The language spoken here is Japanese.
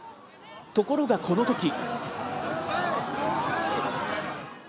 ところがこのとき。